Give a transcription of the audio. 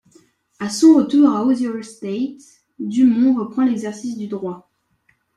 À son retour à Hoosier State, Dumont reprend l'exercice du droit.